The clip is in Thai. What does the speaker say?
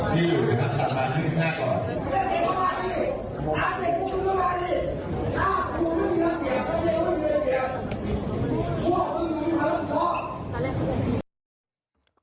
พวกคุณคือกอรัมท์สอง